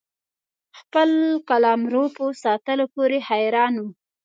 خپل قلمرو په ساتلو پوري حیران وو.